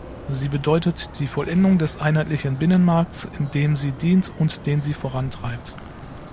Sie bedeutet die Vollendung des einheitlichen Binnenmarkts, dem sie dient und den sie vorantreibt.